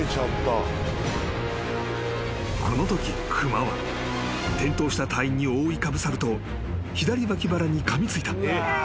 ［このとき熊は転倒した隊員に覆いかぶさると左脇腹にかみついた］